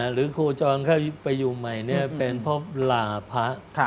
หรือคูจรเข้าไปอยู่ใหม่เป็นพบลาภะ